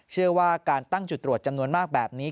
เชื่อว่าการตั้งจุดตรวจจำนวนมากแบบนี้